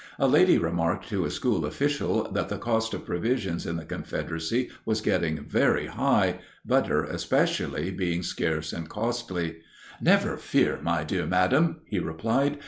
A lady remarked to a school official that the cost of provisions in the Confederacy was getting very high, butter, especially, being scarce and costly. "Never fear, my dear madam," he replied.